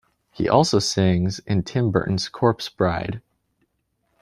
He also sings in Tim Burton's "Corpse Bride".